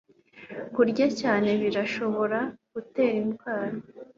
kurya cyane birashobora gutera indwara